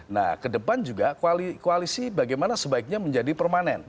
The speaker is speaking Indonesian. nah kedepan juga koalisi bagaimana sebaiknya menjadi permanen